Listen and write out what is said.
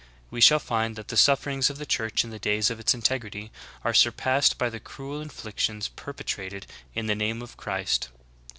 We shall find that the suf ferings of the Church in the days of its integrity, are sur passed by the cruel inflictions perpetrated in the name of Christ.